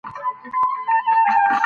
موږ نن وزگار يو.